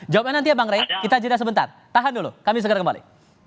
jawabannya nanti ya bang ray kita jeda sebentar tahan dulu kami segera kembali